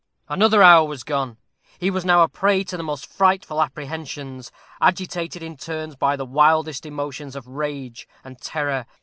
Another hour was gone! He was now a prey to the most frightful apprehensions, agitated in turns by the wildest emotions of rage and terror.